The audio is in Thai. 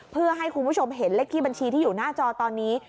เพื่อให้คุณผู้ชมเห็นเลขที่บัญชีที่อยู่หน้าจอตอนนี้